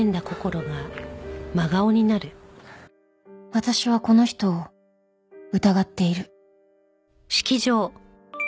私はこの人を疑っている